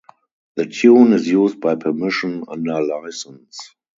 The tune is used by permission under licence.